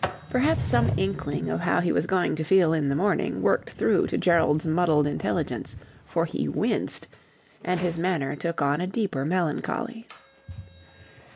Perhaps some inkling of how he was going to feel in the morning worked through to Gerald's muddled intelligence, for he winced, and his manner took on a deeper melancholy.